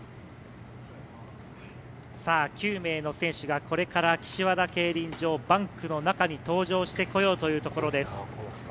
９名の選手がこれから岸和田競輪場のバンクの中に登場してこようというところです。